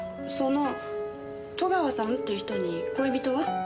その戸川さんって人に恋人は？